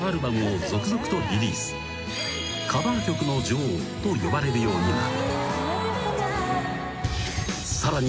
［カバー曲の女王と呼ばれるようになる］